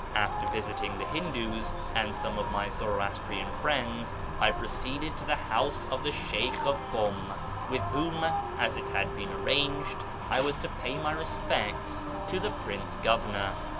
After visiting the Hindoos and some of my Zoroastrian friends, I proceeded to the house of the Sheykli of Kum, with whom, as it had been arranged, I was to pay my respects to the Prince Governor.